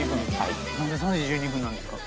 何で「３時１２分」なんですか？